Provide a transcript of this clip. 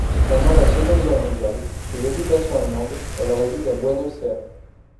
Pendant la Seconde Guerre mondiale, sous l’occupation allemande, elle réside à Buenos Aires.